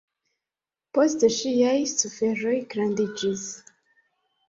Poste, ŝiaj suferoj grandiĝis.